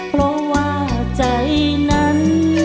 เพราะว่าใจนั้น